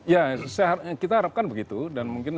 ya kita harapkan begitu dan mungkin